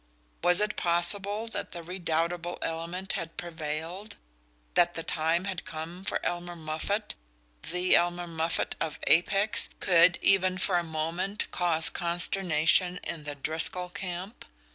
Was it possible that the redoubtable element had prevailed? That the time had come when Elmer Moffatt the Elmer Moffatt of Apex! could, even for a moment, cause consternation in the Driscoll camp?